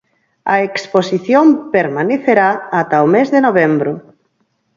A exposición permanecerá ata o mes de novembro.